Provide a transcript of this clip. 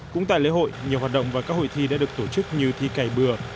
cũng tại lễ hội nhiều hoạt động và các hội thi đã được tổ chức như thi cày bừa